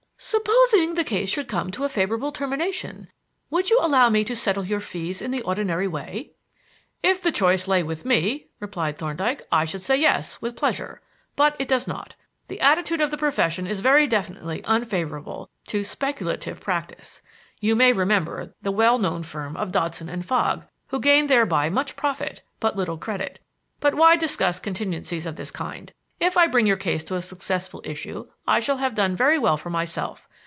"Supposing the case should come to a favorable termination, would you allow me to settle your fees in the ordinary way?" "If the choice lay with me," replied Thorndyke, "I should say 'yes' with pleasure. But it does not. The attitude of the profession is very definitely unfavorable to 'speculative' practise. You may remember the well known firm of Dodson and Fogg, who gained thereby much profit, but little credit. But why discuss contingencies of this kind? If I bring your case to a successful issue I shall have done very well for myself.